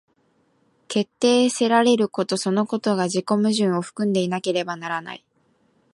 決定せられることそのことが自己矛盾を含んでいなければならない。